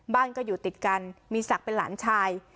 บ้านก็อยู่ติดกันมีศักดิ์เป็นหลานชาย